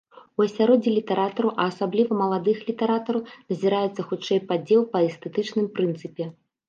У асяроддзі літаратараў, а асабліва маладых літаратараў, назіраецца хутчэй падзел па эстэтычным прынцыпе.